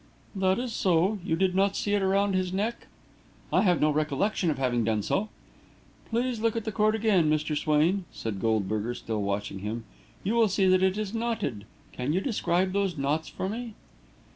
"That is so. You did not see it around his neck?" "I have no recollection of having done so." "Please look at the cord again, Mr. Swain," said Goldberger, still watching him. "You will see that it is knotted. Can you describe those knots for me?"